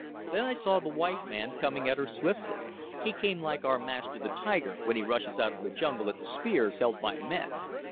Then I saw the white man coming at her swiftly. He came like our master the tiger when he rushes out of the jungle at the spears held by men.